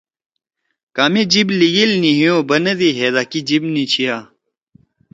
کامے جئِب لیِگیل نی ہیو بنَدی ہیدا کی جیِب نی چھیِا۔